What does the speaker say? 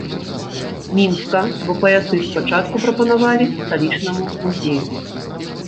Мінска, бо паясы спачатку прапанавалі сталічнаму музею.